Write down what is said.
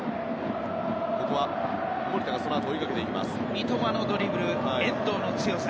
三笘のドリブル遠藤の強さ。